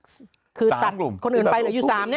สามกลุ่มคือตัดคนอื่นไปหรืออยู่สามเนี่ย